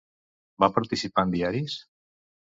Va participar en diaris?